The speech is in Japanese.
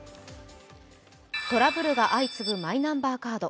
トラブルが相次ぐマイナンバーカード。